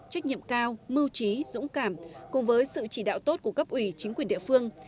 trách nhiệm cao mưu trí dũng cảm cùng với sự chỉ đạo tốt của cấp ủy chính quyền địa phương